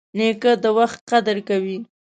نیکه د وخت قدر کوي.